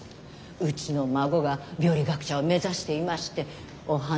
うちの孫が病理学者を目指していましてお話を。